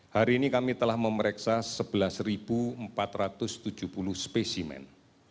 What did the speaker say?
hari ini kami telah memeriksa sebelas empat ratus tujuh puluh spesimen